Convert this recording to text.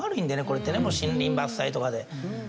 これってねもう森林伐採とかで。